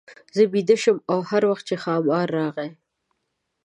زه بېده شم او هر وخت چې ښامار راغی.